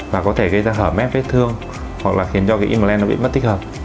và có thể gây ra hở mép vết thương hoặc là khiến cho cái imland nó bị mất tích hợp